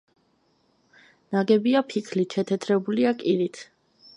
ნაგებია ფიქლით, შეთეთრებულია კირით.